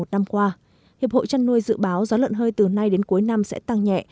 một năm qua hiệp hội chăn nuôi dự báo giá lợn hơi từ nay đến cuối năm sẽ tăng nhẹ